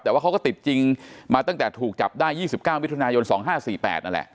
แต่ว่าเขาก็ติดจริงมาตั้งแต่ถูกจับได้๒๙มิถุนายน๒๕๔๘นั่นแหละ